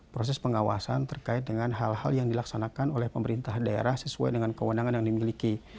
proses pengawasan terkait dengan hal hal yang dilaksanakan oleh pemerintah daerah sesuai dengan kewenangan yang dimiliki